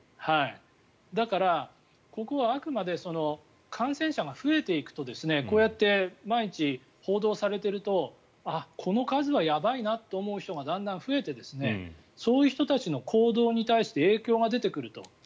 だから、ここはあくまで感染者が増えていくとこうやって毎日報道されてるとこの数はやばいなと思う人がだんだん増えてそういう人たちの行動に対して影響が出てくると。